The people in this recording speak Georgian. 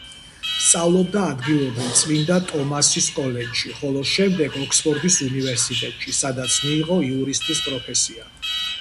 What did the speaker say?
სწავლობდა ადგილობრივ წმინდა ტომასის კოლეჯში, ხოლო შემდეგ ოქსფორდის უნივერსიტეტში, სადაც მიიღო იურისტის პროფესია.